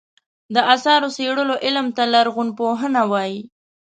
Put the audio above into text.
د اثارو څېړلو علم ته لرغونپوهنه وایې.